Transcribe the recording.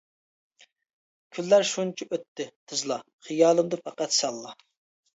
كۈنلەر شۇنچە ئۆتتى تېزلا، خىيالىمدا پەقەت سەنلا.